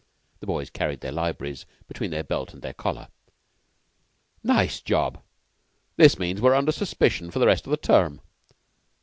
The boys carried their libraries between their belt and their collar. "Nice job! This means we're under suspicion for the rest of the term."